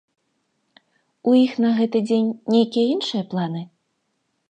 У іх на гэты дзень нейкія іншыя планы?